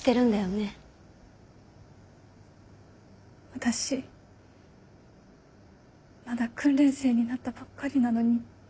私まだ訓練生になったばっかりなのに。